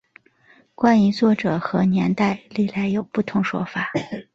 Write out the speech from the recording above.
关于作者和年代历来有不同说法。